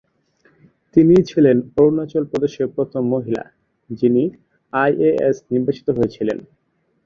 তিনিই ছিলেন অরুণাচল প্রদেশের প্রথম মহিলা যিনি আইএএস নির্বাচিত হয়েছিলেন।